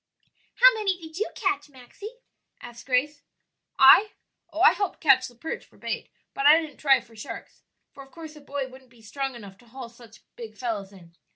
"How many did you catch, Maxie?" asked Grace. "I? Oh, I helped catch the perch for bait; but I didn't try for sharks, for of course a boy wouldn't be strong enough to haul such big fellows in.